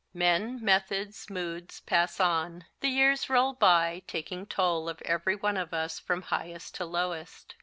Men, methods, moods pass on. The years roll by, taking toll of every one of us from highest to lowest.